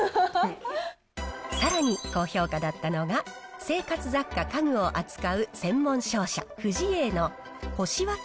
さらに、高評価だったのが、生活雑貨家具を扱う専門商社、藤栄の干し分け